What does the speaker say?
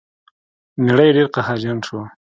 میړه یې ډیر قهرجن شو.